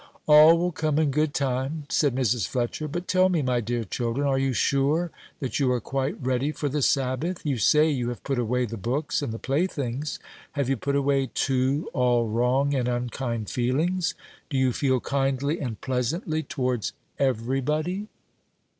"All will come in good time," said Mrs. Fletcher. "But tell me, my dear children, are you sure that you are quite ready for the Sabbath? You say you have put away the books and the playthings; have you put away, too, all wrong and unkind feelings? Do you feel kindly and pleasantly towards every body?"